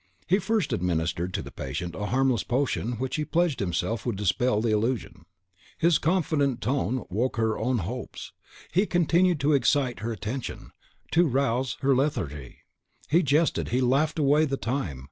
He first administered to the patient a harmless potion, which he pledged himself would dispel the delusion. His confident tone woke her own hopes, he continued to excite her attention, to rouse her lethargy; he jested, he laughed away the time.